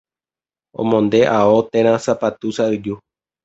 Omonde ao térã sapatu sa'yju